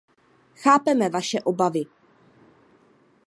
Chápeme vaše obavy.